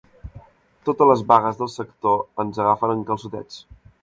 Totes les vagues del sector ens agafen en calçotets.